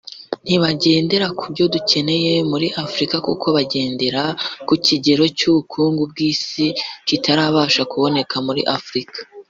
ntibagendera ku byo dukeneye muri Afurika kuko bagendera ku kigero cy’ubukungu bw’Isi kitarabasha kuboneka muri Afurika